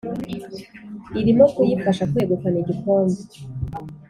irimo kuyifasha kwegukana igikombe.